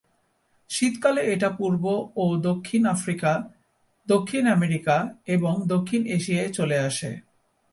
শীতকালে এটা পূর্ব ও দক্ষিণ আফ্রিকা, দক্ষিণ আমেরিকা এবং দক্ষিণ এশিয়ায় চলে আসে।